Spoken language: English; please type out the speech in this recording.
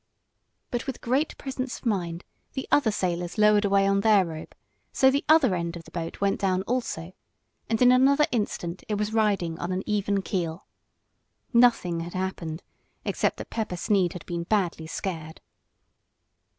But with great presence of mind the other sailors lowered away on their rope, so that the other end of the boat went down also, and in another instant it was riding on an even keel. Nothing had happened except that Pepper Sneed had been badly scared.